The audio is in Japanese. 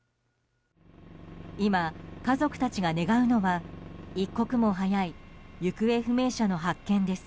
今家族たちが願うのは一刻も早い行方不明者の発見です。